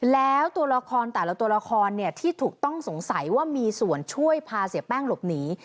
แล้วตัวละครแต่ละตัวละครที่ถูกต้องสงสัยว่ามีส่วนช่วยพาเสียแป้งหลบหนี